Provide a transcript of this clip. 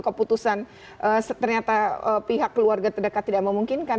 keputusan ternyata pihak keluarga terdekat tidak memungkinkan